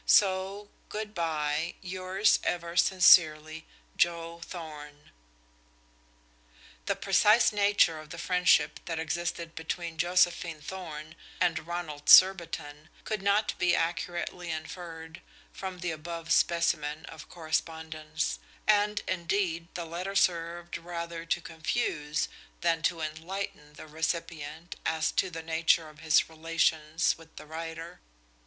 So good by. Yours ever sincerely, "JOE THORN." The precise nature of the friendship that existed between Josephine Thorn and Ronald Surbiton could not be accurately inferred from the above specimen of correspondence; and indeed the letter served rather to confuse than to enlighten the recipient as to the nature of his relations with the writer.